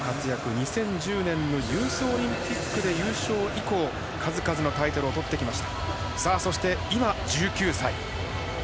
２０１０年のユースオリンピックで優勝以降、数々のタイトルをとってきました。